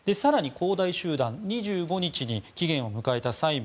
恒大集団２５日に期限を迎えた債務